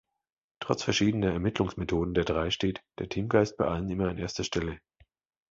Trotz verschiedener Ermittlungsmethoden der drei steht der Teamgeist bei allen immer an erster Stelle.